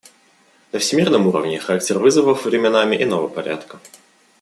На всемирном уровне характер вызовов временами иного порядка.